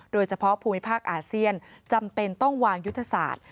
โดยเฉพาะภูมิภาคอาเซียนจำเป็นต้องวางยุทธศาสตร์